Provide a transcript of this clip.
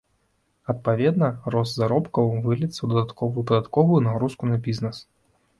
Адпаведна, рост заробкаў выльецца ў дадатковую падатковую нагрузку на бізнес.